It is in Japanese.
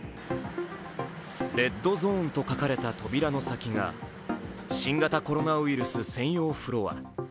レッドゾーンと書かれた扉の先が新型コロナウイルス専用フロア。